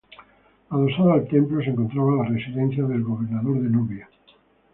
Adosado al templo se encontraba la residencia del gobernador de Nubia.